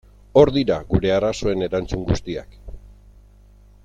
Hor dira gure arazoen erantzun guziak.